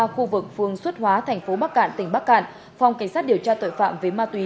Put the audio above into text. khu vực phương xuất hóa thành phố bắc cạn tỉnh bắc cạn phòng cảnh sát điều tra tội phạm về ma túy